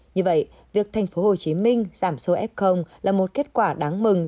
như vậy việc tp hcm giảm số f là một kết quả đáng mừng